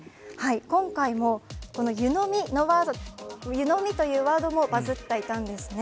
今回も湯飲みというワードもバズっていたんですね。